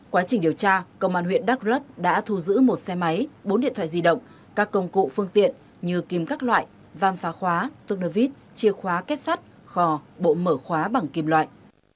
quá trình điều tra công an huyện đắk lấp đã thu giữ một xe máy bốn điện thoại di động các công cụ phương tiện như kim các loại vam phá khóa tước nơ vít chia khóa kết sắt khò bộ mở khóa bằng kim loại